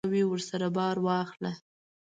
که ګاونډی کډه کوي، ورسره بار واخله